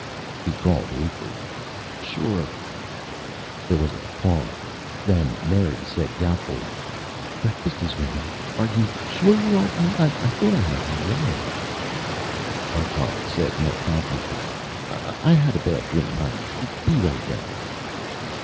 He called weakly, "Sure." There was a pause. Then Mary said doubtfully, "Breakfast is ready. Are you sure you're all right? I thought I heard you yelling " Burckhardt said more confidently, "I had a bad dream, honey. Be right down."